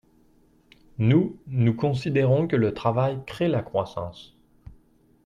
Nous, nous considérons que le travail crée la croissance.